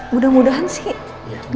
mudah mudahan sih gak perlu ya